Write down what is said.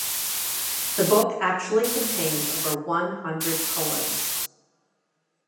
The book actually contains over one-hundred poems.